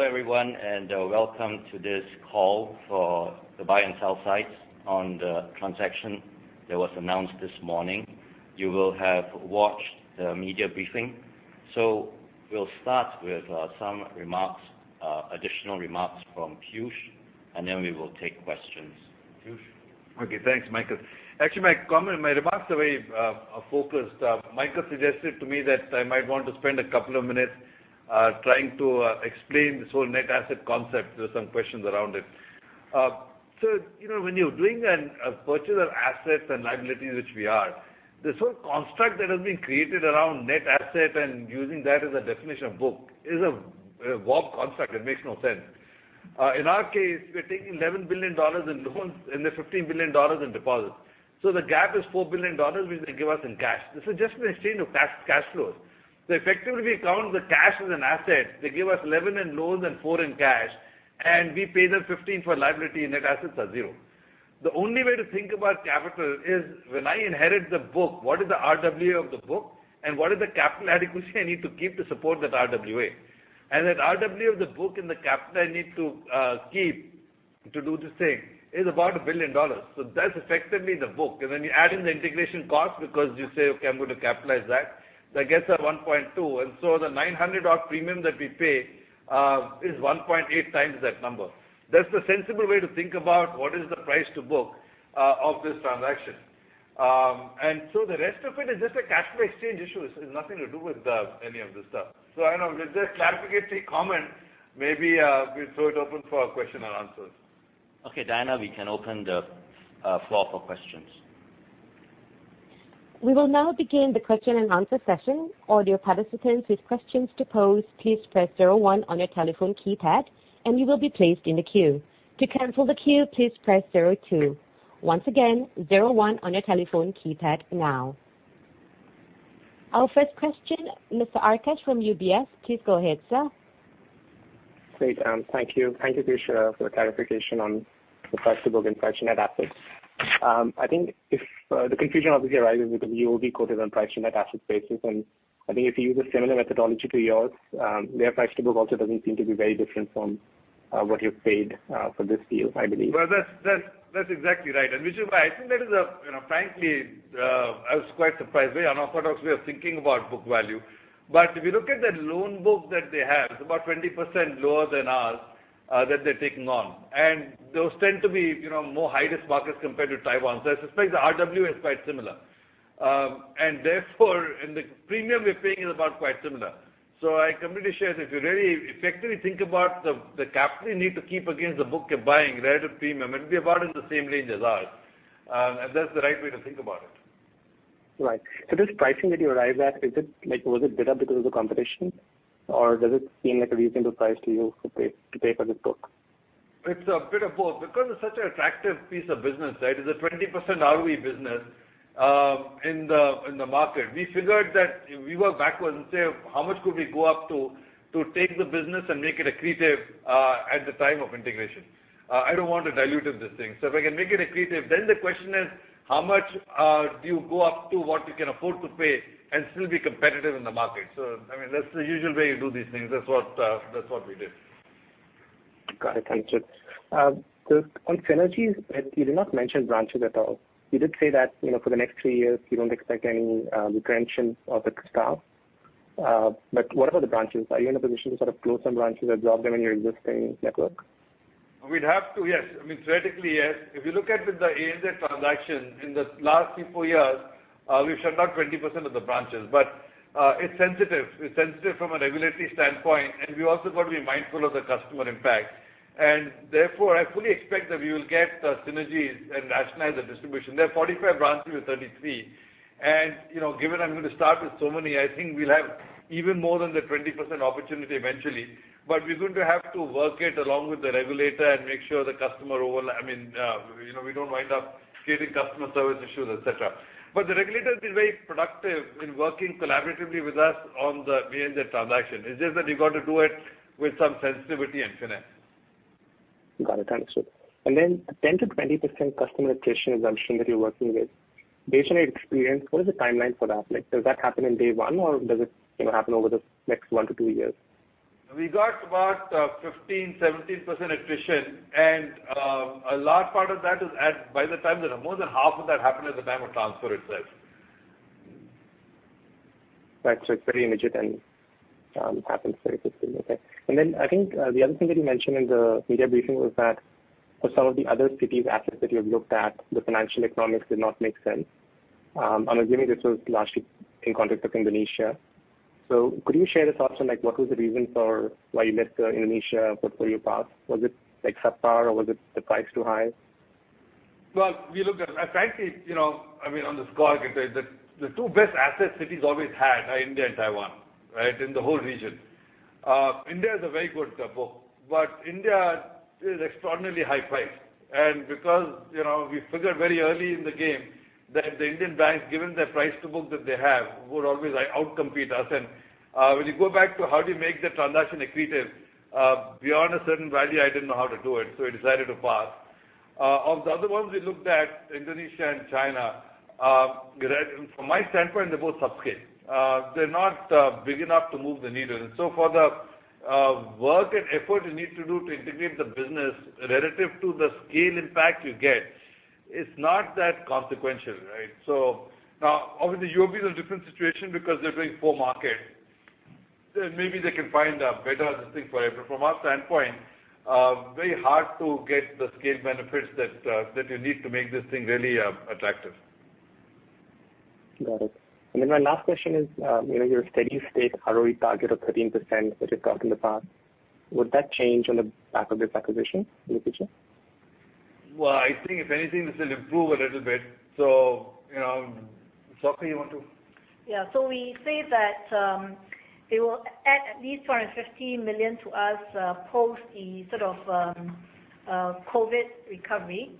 Hello, everyone, welcome to this call for the buy and sell sides on the transaction that was announced this morning. You will have watched the media briefing, so we'll start with some additional remarks from Piyush, and then we will take questions. Piyush? Okay, thanks, Michael. Actually, my comment, my remarks are very focused. Michael suggested to me that I might want to spend a couple of minutes trying to explain this whole net asset concept. There's some questions around it. So you know, when you're doing a purchase of assets and liabilities, which we are, this whole construct that has been created around net asset and using that as a definition of book is a warped construct. It makes no sense. In our case, we're taking $11 billion in loans and then $15 billion in deposits. So the gap is $4 billion, which they give us in cash. This is just an exchange of cash, cash flows. So effectively, we count the cash as an asset. They give us $11 billion in loans and $4 billion in cash, and we pay them $15 billion for liability; net assets are zero. The only way to think about capital is when I inherit the book, what is the RWA of the book, and what is the capital adequacy I need to keep to support that RWA? That RWA of the book and the capital I need to keep to do this thing is about $1 billion. So that's effectively the book. When you add in the integration cost, because you say, "Okay, I'm going to capitalize that," that gets at $1.2 billion, and so the $900-odd million premium that we pay is 1.8 times that number. That's the sensible way to think about what is the price to book of this transaction. and so the rest of it is just a cash flow exchange issue. It's nothing to do with the, any of this stuff. So I don't know, with this clarifying comment, maybe, we'll throw it open for question and answers. Okay, Diana, we can open the floor for questions. We will now begin the question-and-answer session. All your participants with questions to pose, please press zero-one on your telephone keypad, and you will be placed in the queue. To cancel the queue, please press zero-two. Once again, zero-one on your telephone keypad now. Our first question, Mr. Rakesh from UBS. Please go ahead, sir. Great, thank you. Thank you, Piyush, for the clarification on the price to book and price to net assets. I think the confusion obviously arises because UOB quoted on price to net assets basis, and I think if you use a similar methodology to yours, their price to book also doesn't seem to be very different from what you've paid for this deal, I believe. Well, that's, that's, that's exactly right. And which is why I think there is a, you know, frankly, I was quite surprised, very unorthodox way of thinking about book value. But if you look at the loan book that they have, it's about 20% lower than ours, that they're taking on. And those tend to be, you know, more high-risk markets compared to Taiwan. So I suspect the RWA is quite similar. And therefore, the premium we're paying is about quite similar. So I completely share, if you really effectively think about the, the capital you need to keep against the book you're buying rather than premium, it'll be about in the same range as ours. And that's the right way to think about it. Right. So this pricing that you arrived at, is it, like, was it better because of the competition, or does it seem like a reasonable price to you to pay, to pay for this book? It's a bit of both. Because it's such an attractive piece of business, right? It's a 20% ROE business, in the, in the market. We figured that if we work backwards and say, "How much could we go up to, to take the business and make it accretive, at the time of integration?" I don't want to dilute this thing. So if I can make it accretive, then the question is: How much, do you go up to what you can afford to pay and still be competitive in the market? So, I mean, that's the usual way you do these things. That's what, that's what we did. Got it. Thank you. So on synergies, you did not mention branches at all. You did say that, you know, for the next three years, you don't expect any retrenchment of the staff. But what about the branches? Are you in a position to sort of close some branches or drop them in your existing network? We'd have to, yes. I mean, theoretically, yes. If you look at the ANZ transaction, in the last 3-4 years, we've shut down 20% of the branches. But it's sensitive. It's sensitive from a regulatory standpoint, and we've also got to be mindful of the customer impact. And therefore, I fully expect that we will get the synergies and rationalize the distribution. There are 45 branches with 33. And, you know, given I'm going to start with so many, I think we'll have even more than the 20% opportunity eventually. But we're going to have to work it along with the regulator and make sure the customer over... I mean, you know, we don't wind up creating customer service issues, et cetera. But the regulator has been very productive in working collaboratively with us on the ANZ transaction. It's just that you got to do it with some sensitivity and finesse. Got it. Thanks. And then 10%-20% customer attrition assumption that you're working with, based on your experience, what is the timeline for that? Like, does that happen in day one, or does it, you know, happen over the next 1-2 years? We got about 15%-17% attrition, and a large part of that is at by the time that more than half of that happened at the time of transfer itself. Right. So it's very immediate and happens very quickly. Okay. And then I think the other thing that you mentioned in the media briefing was that for some of the other cities assets that you have looked at, the financial economics did not make sense. I'm assuming this was largely in context of Indonesia. So could you share this option, like, what was the reason for why you left the Indonesia portfolio back? Was it like subpar, or was it the price too high? Well, we looked at... frankly, you know, I mean, on the score, the two best asset classes always had are India and Taiwan, right? In the whole region. India is a very good book, but India is extraordinarily high-priced. And because, you know, we figured very early in the game that the Indian banks, given their price-to-book that they have, would always outcompete us. And when you go back to how do you make the transaction accretive, beyond a certain value, I didn't know how to do it, so I decided to pass. Of the other ones we looked at, Indonesia and China, from my standpoint, they're both subscale. They're not big enough to move the needle. And so for the work and effort you need to do to integrate the business relative to the scale impact you get, it's not that consequential, right? So now, obviously, UOB is a different situation because they're doing full market. Maybe they can find a better thing for it, but from our standpoint, very hard to get the scale benefits that you need to make this thing really attractive. Got it. And then my last question is, you know, your steady state ROE target of 13% that you've got in the past, would that change on the back of this acquisition in the future? Well, I think if anything, this will improve a little bit. So, you know, Sok Hui, you want to? Yeah. So we say that, it will add at least 250 million to us, post the sort of COVID recovery.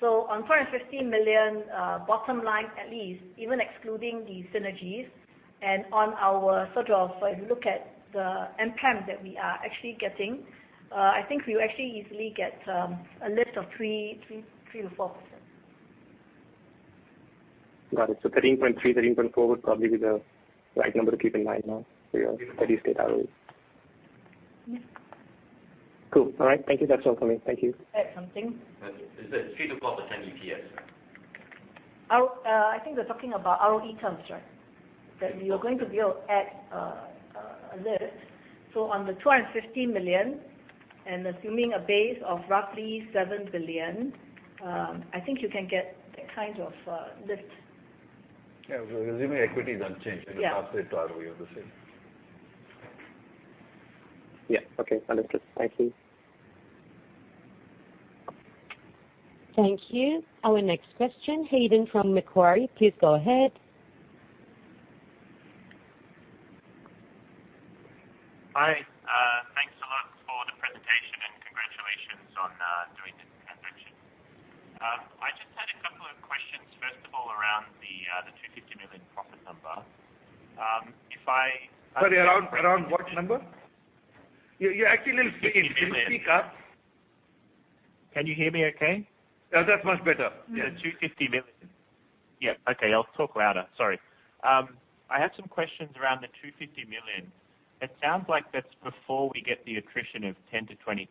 So on 250 million, bottom line, at least, even excluding the synergies and on our sort of, if I look at the NPAT that we are actually getting, I think we actually easily get, a lift of 3 to 4%. Got it. So 13.3-13.4 would probably be the right number to keep in mind now for your steady state ROE? Yes. Cool. All right. Thank you. That's all for me. Thank you. Add something. It's a 3%-4% EPS. I think we're talking about ROE terms, right? That you're going to be able to add a lift. So on the 250 million and assuming a base of roughly 7 billion, I think you can get that kind of lift. Yeah, assuming equity doesn't change- Yeah. In the pathway to ROE is the same. Yeah, okay. Understood. Thank you. Thank you. Our next question, Jayden from Macquarie. Please go ahead. Hi, thanks a lot for the presentation, and congratulations on doing this transaction. I just had a couple of questions. First of all, around the SGD 250 million profit number. If I- Sorry, around what number? You're actually a little skinny. Can you speak up? Can you hear me okay? Yeah, that's much better. Yeah, $250 million. Yeah. Okay, I'll talk louder. Sorry. I had some questions around the $250 million. It sounds like that's before we get the attrition of 10%-20%.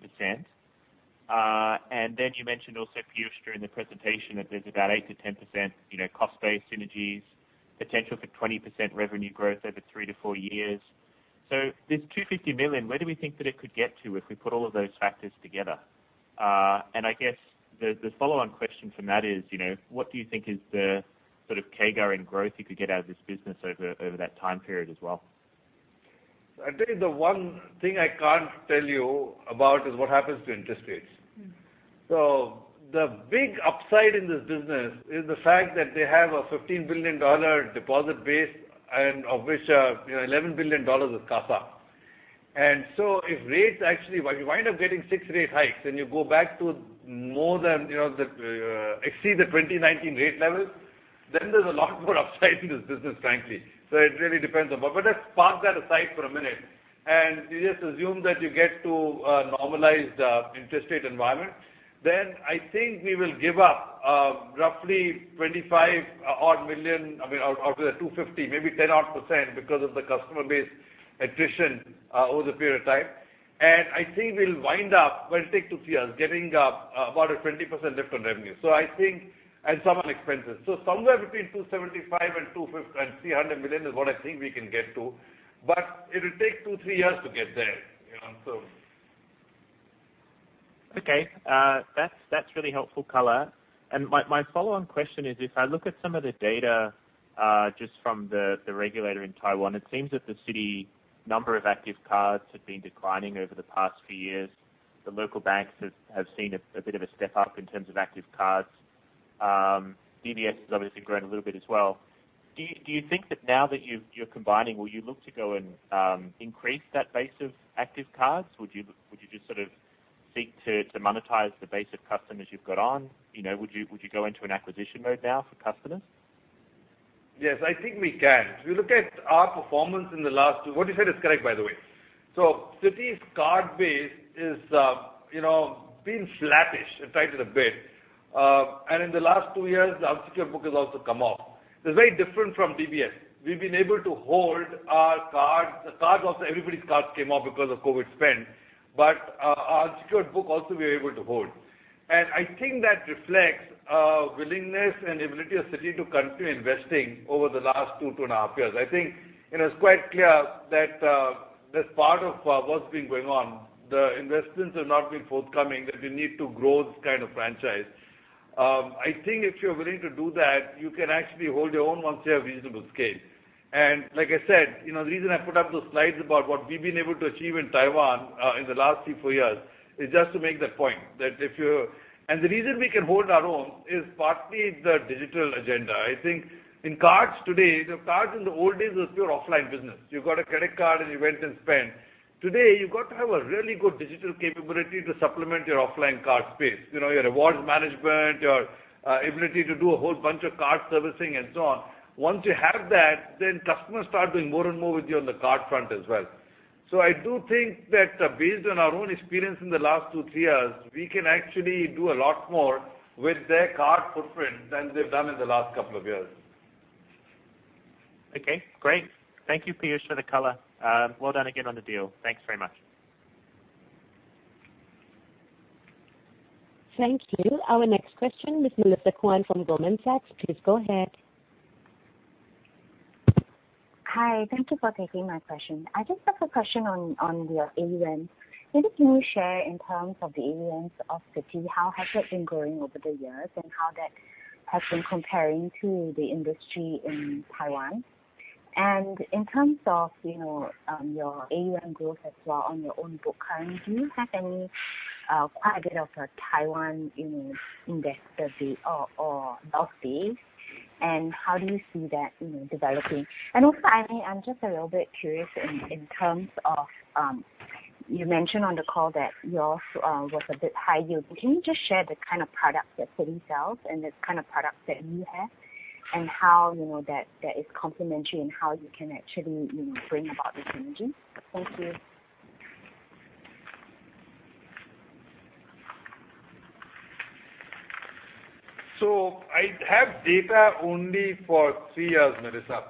And then you mentioned also, Piyush, during the presentation, that there's about 8%-10%, you know, cost-based synergies, potential for 20% revenue growth over 3-4 years. So this $250 million, where do we think that it could get to if we put all of those factors together? And I guess the, the follow-on question from that is, you know, what do you think is the sort of CAGR in growth you could get out of this business over, over that time period as well? I tell you, the one thing I can't tell you about is what happens to interest rates. Mm. So the big upside in this business is the fact that they have a $15 billion deposit base, of which, $11 billion is CASA. And so if rates actually, well, you wind up getting 6 rate hikes, and you go back to more than, you know, the exceed the 2019 rate levels, then there's a lot more upside in this business, frankly. So it really depends on... But let's park that aside for a minute, and you just assume that you get to a normalized interest rate environment, then I think we will give up roughly 25-odd million, I mean, out of the 250, maybe 10-odd%, because of the customer base attrition over the period of time. I think we'll wind up, but it take 2-3 years, getting about a 20% lift on revenue. So I think, and some on expenses. So somewhere between 275 million and 250 million and 300 million is what I think we can get to, but it will take 2-3 years to get there, you know, so. Okay, that's really helpful color. And my follow-on question is, if I look at some of the data, just from the regulator in Taiwan, it seems that the Citi number of active cards have been declining over the past few years. The local banks have seen a bit of a step up in terms of active cards. DBS has obviously grown a little bit as well. Do you think that now that you've-- you're combining, will you look to go and increase that base of active cards? Would you just sort of seek to monetize the base of customers you've got on? You know, would you go into an acquisition mode now for customers? Yes, I think we can. If you look at our performance in the last two... What you said is correct, by the way. So Citi's card base is, you know, being flaccid, to describe it a bit. And in the last two years, the unsecured book has also come off. It's very different from DBS. We've been able to hold our cards. The cards also, everybody's cards came off because of COVID spend, but our, our secured book also we were able to hold. And I think that reflects a willingness and ability of Citi to continue investing over the last two, two and a half years. I think it is quite clear that, this part of, what's been going on, the investments have not been forthcoming, that we need to grow this kind of franchise. I think if you're willing to do that, you can actually hold your own once you have reasonable scale. And like I said, you know, the reason I put up those slides about what we've been able to achieve in Taiwan, in the last 3, 4 years, is just to make that point. And the reason we can hold our own is partly the digital agenda. I think in cards today, the cards in the old days was pure offline business. You got a credit card and you went and spent. Today, you've got to have a really good digital capability to supplement your offline card space. You know, your rewards management, your, ability to do a whole bunch of card servicing and so on. Once you have that, then customers start doing more and more with you on the card front as well.... I do think that, based on our own experience in the last 2-3 years, we can actually do a lot more with their card footprint than they've done in the last couple of years. Okay, great. Thank you, Piyush, for the color. Well done again on the deal. Thanks very much. Thank you. Our next question is Melissa Kuang from Goldman Sachs. Please go ahead. Hi, thank you for taking my question. I just have a question on your AUM. Maybe can you share in terms of the AUMs of Citi, how has that been growing over the years, and how that has been comparing to the industry in Taiwan? And in terms of, you know, your AUM growth as well on your own book, currently, do you have any quite a bit of a Taiwan, you know, investor base or wealth base? And how do you see that, you know, developing? And also, I'm just a little bit curious in terms of you mentioned on the call that your F- was a bit high yield. Can you just share the kind of products that Citi sells and the kind of products that you have, and how, you know, that, that is complementary and how you can actually, you know, bring about the changes? Thank you. So I have data only for three years, Melissa,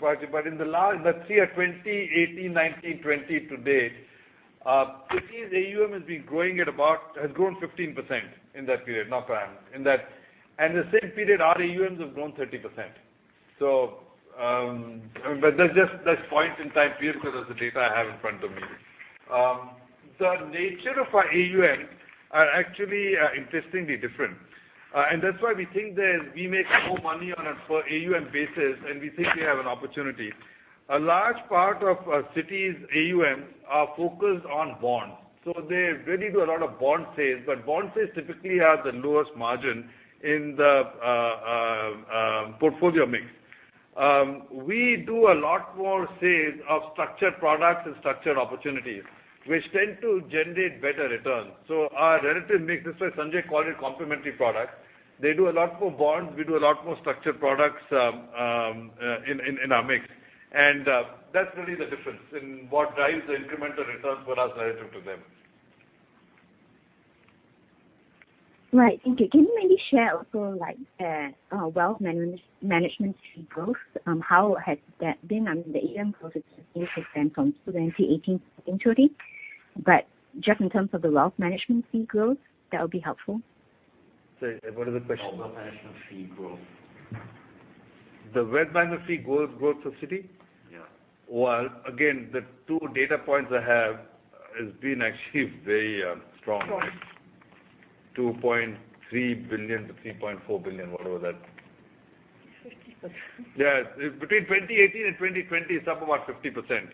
but, but in the last, let's say, 2018, 2019, 2020 to date, Citi's AUM has been growing at about - has grown 15% in that period, not prime, in that. And the same period, our AUMs have grown 30%. So, but that's just, that's point in time period because of the data I have in front of me. The nature of our AUM are actually, interestingly different, and that's why we think that we make more money on a per AUM basis, and we think we have an opportunity. A large part of Citi's AUM are focused on bonds, so they really do a lot of bond sales. But bond sales typically have the lowest margin in the portfolio mix. We do a lot more sales of structured products and structured opportunities, which tend to generate better returns. So our relative mix, that's why Sanjoy called it complementary products. They do a lot more bonds, we do a lot more structured products, in our mix. And, that's really the difference in what drives the incremental returns for us relative to them. Right. Okay. Can you maybe share also, like, wealth management fee growth? How has that been on the AUM growth? It's 15% from 2018 to date. But just in terms of the wealth management fee growth, that would be helpful. What is the question? Wealth management fee growth. The wealth management fee growth, growth for Citi? Yeah. Well, again, the two data points I have has been actually very strong. 2.3 billion-3.4 billion, whatever that... Fifty percent. Yes, between 2018 and 2020, it's up about 50%.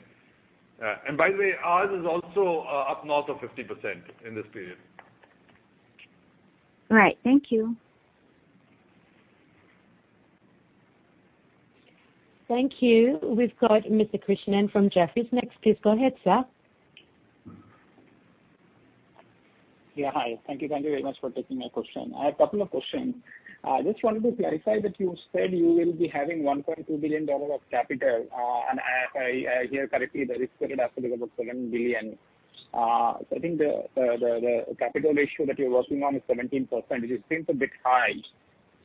And by the way, ours is also up north of 50% in this period. All right. Thank you. Thank you. We've got Mr. Krishna from Jefferies next. Please go ahead, sir. Yeah, hi. Thank you. Thank you very much for taking my question. I have a couple of questions. Just wanted to clarify that you said you will be having $1.2 billion of capital, and if I hear correctly, the risk-weighted assets are about $7 billion. So I think the capital ratio that you're working on is 17%, which seems a bit high.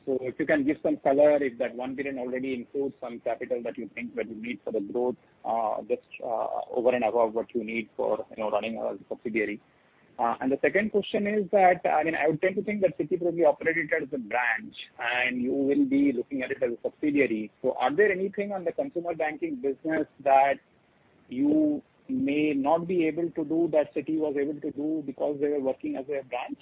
So if you can give some color, if that $1 billion already includes some capital that you think that you need for the growth, just over and above what you need for, you know, running a subsidiary. And the second question is that, I mean, I would tend to think that Citi will be operated as a branch, and you will be looking at it as a subsidiary. So, are there anything on the consumer banking business that you may not be able to do that Citi was able to do because they were working as a branch?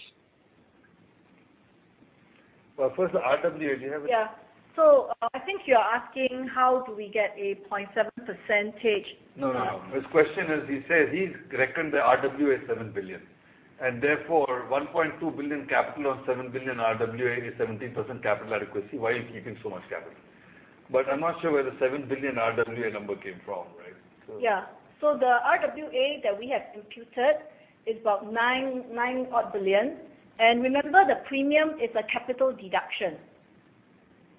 Well, first, the RWA, do you have it? Yeah. So I think you're asking how do we get a 0.7 percentage- No, no, no. His question is, he says he's reckoned the RWA is 7 billion, and therefore 1.2 billion capital on 7 billion RWA is 17% capital adequacy. Why are you keeping so much capital? But I'm not sure where the 7 billion RWA number came from, right? So... Yeah. So the RWA that we have imputed is about 9.9 billion. And remember, the premium is a capital deduction.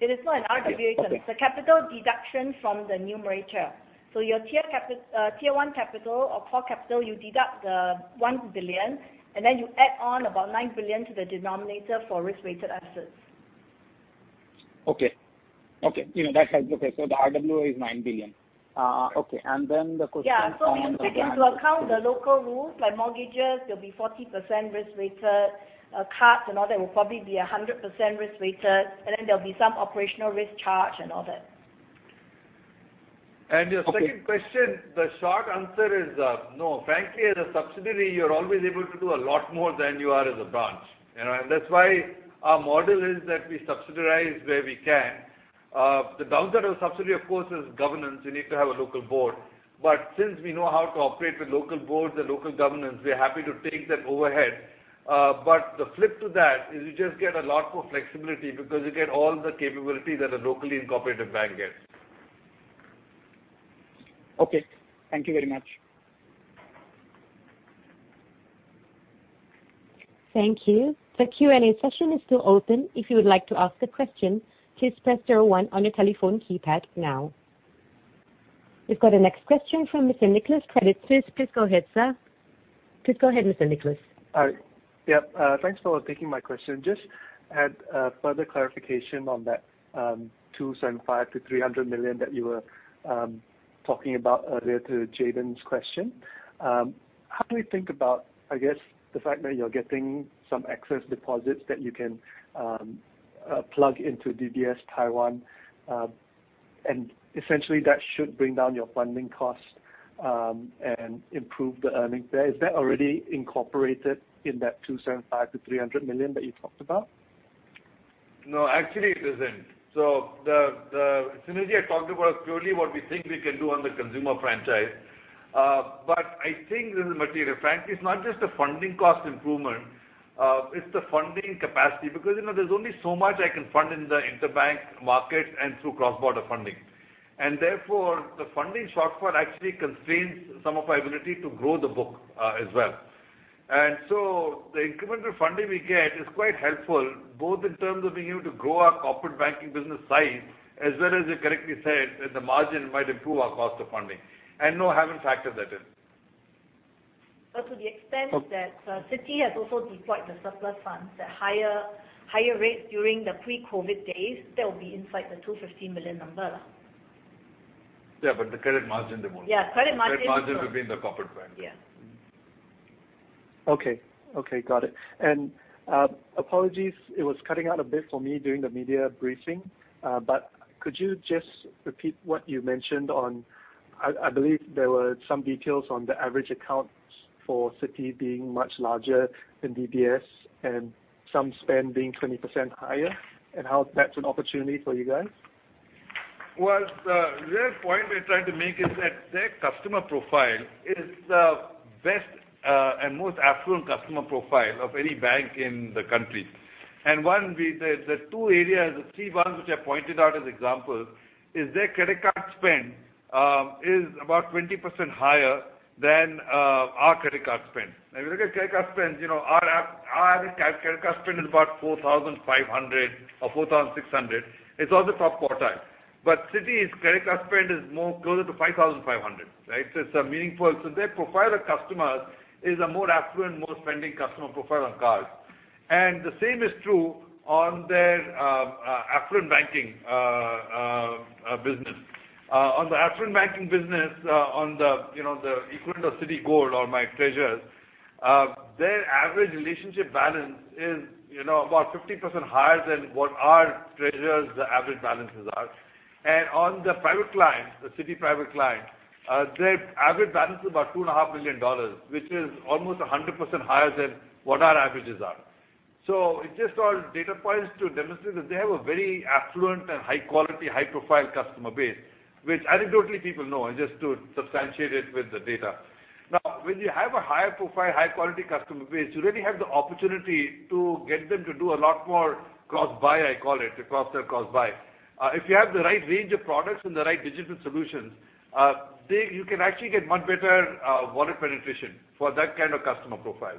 It is not an RWA. Okay. It's a capital deduction from the numerator. So your tier capital, Tier 1 capital or core capital, you deduct the 1 billion, and then you add on about 9 billion to the denominator for risk-weighted assets. Okay. Okay, you know, that helps. Okay, so the RWA is 9 billion. Okay, and then the question on- Yeah, so we need to take into account the local rules, like mortgages, there'll be 40% risk-weighted, cards and all that will probably be 100% risk-weighted, and then there'll be some operational risk charge and all that. Your second question, the short answer is, no. Frankly, as a subsidiary, you're always able to do a lot more than you are as a branch. You know, and that's why our model is that we subsidize where we can. The downside of a subsidiary, of course, is governance. You need to have a local board. But since we know how to operate with local boards and local governance, we're happy to take that overhead. But the flip to that is you just get a lot more flexibility because you get all the capabilities that a locally incorporated bank gets. Okay. Thank you very much. Thank you. The Q&A session is still open. If you would like to ask a question, please press zero-one on your telephone keypad now. We've got the next question from Mr. Nick Lord, Credit Suisse. Please go ahead, sir. Please go ahead, Mr. Nick Lord. All right. Yep, thanks for taking my question. Just had a further clarification on that, 275 million-300 million that you were, talking about earlier to Jayden's question. How do we think about, I guess, the fact that you're getting some excess deposits that you can, plug into DBS Taiwan, and essentially that should bring down your funding costs, and improve the earnings there? Is that already incorporated in that 275 million-300 million that you talked about? No, actually it isn't. So the synergy I talked about is purely what we think we can do on the consumer franchise. But I think this is material. Frankly, it's not just a funding cost improvement, it's the funding capacity, because, you know, there's only so much I can fund in the interbank market and through cross-border funding. And therefore, the funding software actually constrains some of my ability to grow the book, as well. And so the incremental funding we get is quite helpful, both in terms of being able to grow our corporate banking business size, as well as you correctly said, that the margin might improve our cost of funding. And no, I haven't factored that in. But to the extent that Citi has also deployed the surplus funds at higher, higher rates during the pre-COVID days, that will be inside the 250 million number. Yeah, but the credit margin them all. Yeah, credit margin- Credit margin will be in the corporate bank. Yeah. Okay. Okay, got it. And, apologies, it was cutting out a bit for me during the media briefing, but could you just repeat what you mentioned on... I believe there were some details on the average accounts for Citi being much larger than DBS and some spend being 20% higher, and how that's an opportunity for you guys? Well, the real point we're trying to make is that their customer profile is the best and most affluent customer profile of any bank in the country. And the two areas, the three ones which I pointed out as examples, is their credit card spend is about 20% higher than our credit card spend. Now, if you look at credit card spends, you know, our average credit card spend is about 4,500 or 4,600. It's on the top quartile. But Citi's credit card spend is more closer to 5,500, right? So it's a meaningful. So their profile of customers is a more affluent, more spending customer profile on cards. And the same is true on their affluent banking business. On the affluent banking business, on the, you know, the equivalent of Citigold or DBS Treasures, their average relationship balance is, you know, about 50% higher than what our DBS Treasures average balances are. On the private clients, the Citigold private clients, their average balance is about $2.5 billion, which is almost 100% higher than what our averages are. So it's just all data points to demonstrate that they have a very affluent and high quality, high profile customer base, which anecdotally people know, and just to substantiate it with the data. Now, when you have a higher profile, high quality customer base, you really have the opportunity to get them to do a lot more cross buy, I call it, the cross sell, cross buy. If you have the right range of products and the right digital solutions, you can actually get much better wallet penetration for that kind of customer profile.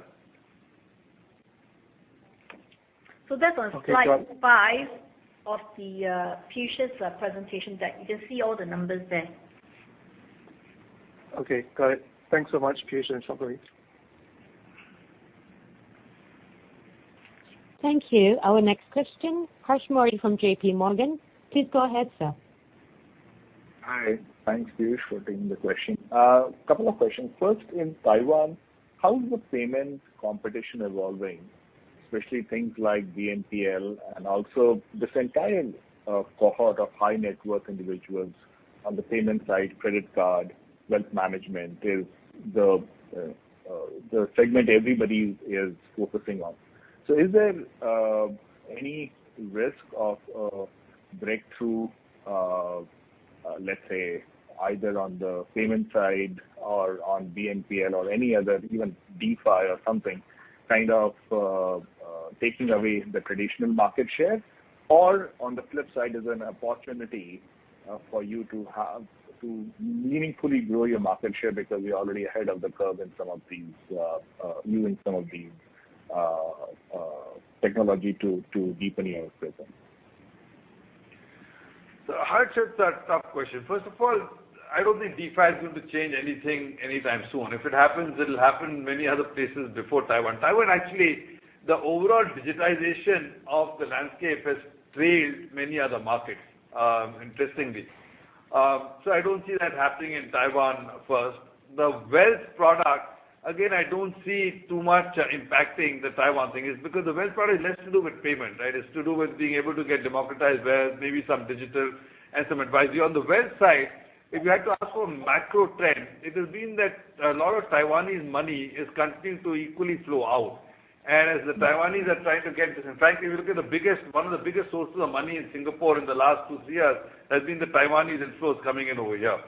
That's on slide five of the Piyush's presentation deck. You can see all the numbers there. Okay, got it. Thanks so much, Piyush and Shalini. Thank you. Our next question, Harsh Wardhan Modi from J.P. Morgan. Please go ahead, sir. Hi. Thanks, Piyush, for taking the question. A couple of questions. First, in Taiwan, how is the payment competition evolving, especially things like BNPL and also this entire, cohort of high net worth individuals on the payment side, credit card, wealth management, is the, the segment everybody is focusing on. So is there, any risk of, breakthrough, let's say, either on the payment side or on BNPL or any other, even DeFi or something, kind of, taking away the traditional market share? Or on the flip side, is there an opportunity, for you to have to meaningfully grow your market share because we are already ahead of the curve in some of these, new and some of these, technology to deepen your presence? So Harsh, that's a tough question. First of all, I don't think DeFi is going to change anything anytime soon. If it happens, it'll happen many other places before Taiwan. Taiwan, actually, the overall digitization of the landscape has trailed many other markets, interestingly. So I don't see that happening in Taiwan first. The wealth product, again, I don't see too much impacting the Taiwan thing. It's because the wealth product is less to do with payment, right? It's to do with being able to get democratized wealth, maybe some digital and some advisory. On the wealth side, if you had to ask for a macro trend, it has been that a lot of Taiwanese money is continuing to equally flow out. As the Taiwanese are trying to get this, and frankly, we look at the biggest—one of the biggest sources of money in Singapore in the last 2-3 years has been the Taiwanese inflows coming in over here.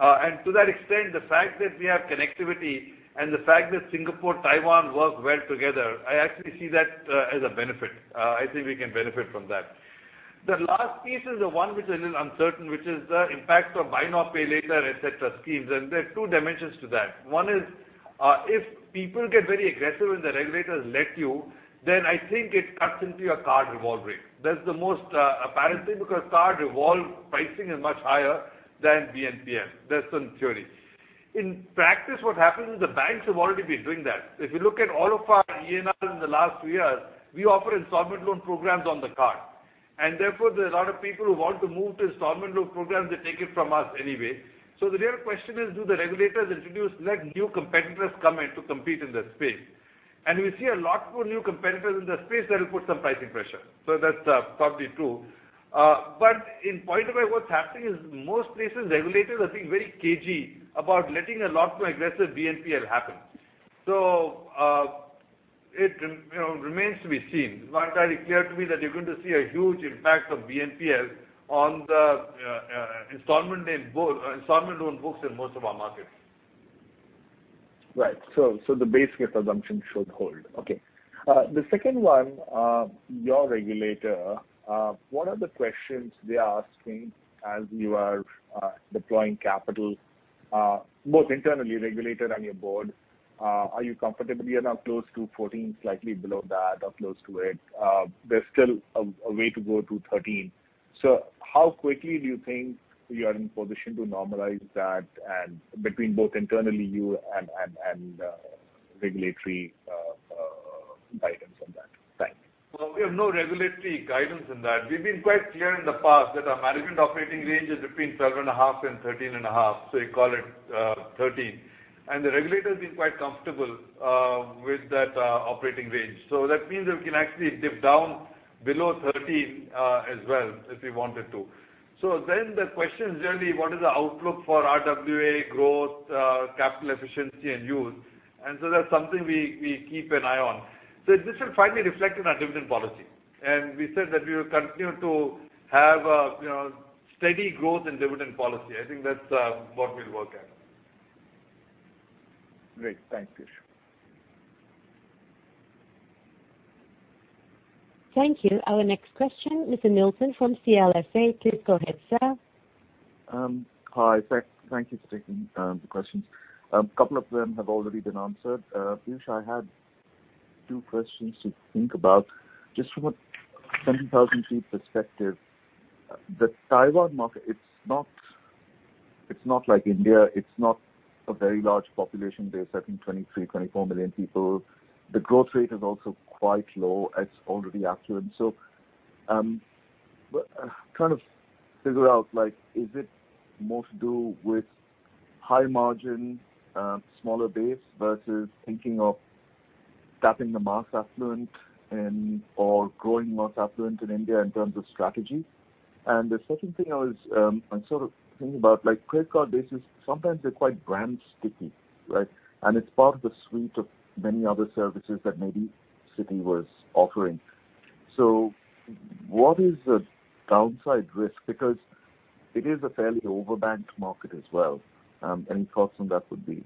And to that extent, the fact that we have connectivity and the fact that Singapore, Taiwan work well together, I actually see that as a benefit. I think we can benefit from that.... The last piece is the one which is a little uncertain, which is the impact of buy now, pay later, et cetera, schemes, and there are two dimensions to that. One is, if people get very aggressive and the regulators let you, then I think it cuts into your card revolving. That's the most, apparently, because card revolve pricing is much higher than BNPL. That's in theory. In practice, what happens is the banks have already been doing that. If you look at all of our ANR in the last two years, we offer installment loan programs on the card, and therefore, there are a lot of people who want to move to installment loan programs, they take it from us anyway. So the real question is, do the regulators introduce, let new competitors come in to compete in this space? And we see a lot more new competitors in the space that will put some pricing pressure. So that's, probably true. But in point of view, what's happening is most places, regulators are being very cagey about letting a lot more aggressive BNPL happen. So, it, you know, remains to be seen. It's not entirely clear to me that you're going to see a huge impact of BNPL on the installment loan book, installment loan books in most of our markets. Right. So the basic assumption should hold. Okay. The second one, your regulator, what are the questions they are asking as you are deploying capital, both internally, regulator, and your board? Are you comfortable you're now close to 14, slightly below that or close to it? There's still a way to go to 13. So how quickly do you think you are in position to normalize that and between both internally, you and regulatory guidance on that? Thanks. Well, we have no regulatory guidance on that. We've been quite clear in the past that our management operating range is between 12.5 and 13.5, so you call it 13. And the regulator has been quite comfortable with that operating range. So that means we can actually dip down below 13 as well, if we wanted to. So then the question is generally, what is the outlook for RWA growth, capital efficiency and use? And so that's something we keep an eye on. So this will finally reflect in our dividend policy. And we said that we will continue to have a, you know, steady growth in dividend policy. I think that's what we'll work at. Great. Thanks, Plyush. Thank you. Our next question, Mr. Neel Sinha from CLSA. Please go ahead, sir. Hi, thank you for taking the questions. A couple of them have already been answered. Plyush, I had two questions to think about. Just from a 10,000-foot perspective, the Taiwan market, it's not like India, it's not a very large population base, I think 23-24 million people. The growth rate is also quite low. It's already affluent. So, trying to figure out, like, is it more to do with high-margin smaller base versus thinking of tapping the mass affluent and/or growing more affluent in India in terms of strategy? And the second thing I'm sort of thinking about like, credit card basis, sometimes they're quite brand-sticky, right? And it's part of the suite of many other services that maybe Citi was offering. So what is the downside risk? Because it is a fairly over-banked market as well. Any thoughts on that would be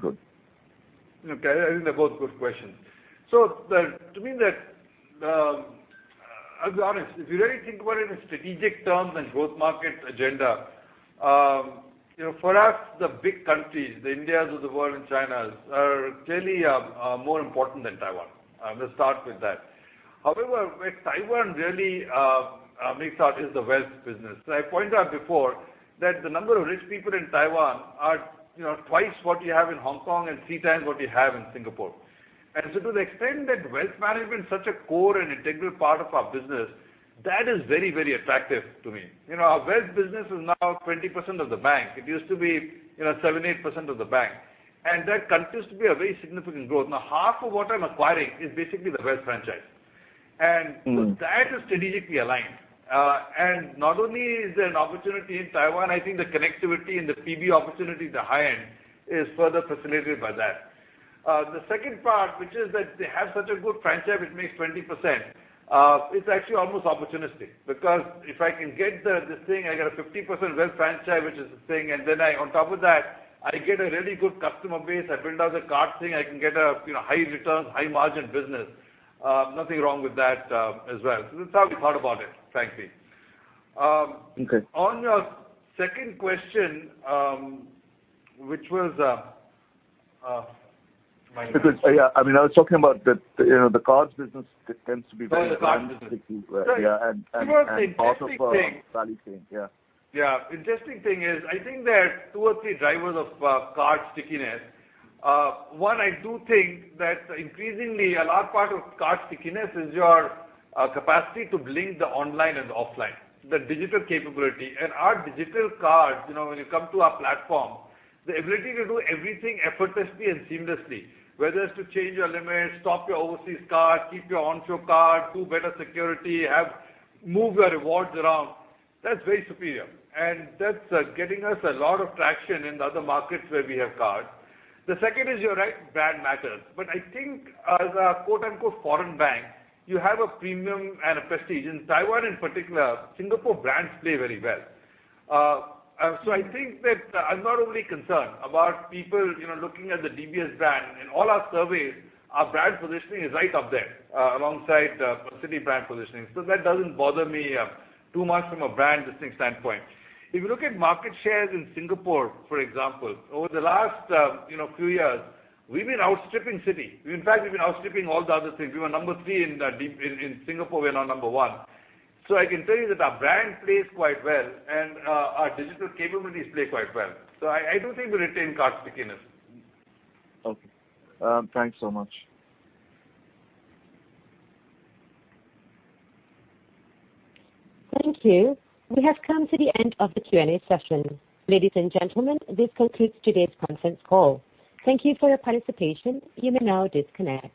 good. Okay, I think they're both good questions. To me, I'll be honest, if you really think about it in strategic terms and growth market agenda, you know, for us, the big countries, the Indias of the world and Chinas, are clearly more important than Taiwan. I'm going to start with that. However, with Taiwan, really, the mainstay is the wealth business. So I pointed out before that the number of rich people in Taiwan are, you know, twice what you have in Hong Kong and three times what you have in Singapore. And so to the extent that wealth management is such a core and integral part of our business, that is very, very attractive to me. You know, our wealth business is now 20% of the bank. It used to be, you know, 7-8% of the bank, and that continues to be a very significant growth. Now, half of what I'm acquiring is basically the wealth franchise. Mm. That is strategically aligned. Not only is there an opportunity in Taiwan, I think the connectivity and the PB opportunity at the high end is further facilitated by that. The second part, which is that they have such a good franchise, which makes 20%, it's actually almost opportunistic, because if I can get the, this thing, I get a 50% wealth franchise, which is the thing, and then I, on top of that, I get a really good customer base, I build out the card thing, I can get a, you know, high return, high margin business. Nothing wrong with that, as well. So that's how we thought about it, frankly. Okay. On your second question, which was, Yeah, I mean, I was talking about the, you know, the cards business tends to be- Oh, the card business. Yeah, and, and also for value chain, yeah. Yeah. Interesting thing is, I think there are two or three drivers of card stickiness. One, I do think that increasingly, a large part of card stickiness is your capacity to blend the online and offline, the digital capability. And our digital cards, you know, when you come to our platform, the ability to do everything effortlessly and seamlessly, whether it's to change your limits, stop your overseas card, keep your onshore card, do better security, have... Move your rewards around, that's very superior, and that's getting us a lot of traction in the other markets where we have cards. The second is, you're right, brand matters. But I think as a quote-unquote, "foreign bank," you have a premium and a prestige. In Taiwan, in particular, Singapore brands play very well. So I think that I'm not overly concerned about people, you know, looking at the DBS brand. In all our surveys, our brand positioning is right up there, alongside, Citi brand positioning. So that doesn't bother me, too much from a brand distinct standpoint. If you look at market shares in Singapore, for example, over the last, you know, few years, we've been outstripping Citi. In fact, we've been outstripping all the other cities. We were number three in the, in, in Singapore, we're now number one. So I can tell you that our brand plays quite well and, our digital capabilities play quite well. So I do think we'll retain card stickiness. Okay. Thanks so much. Thank you. We have come to the end of the Q&A session. Ladies and gentlemen, this concludes today's conference call. Thank you for your participation. You may now disconnect.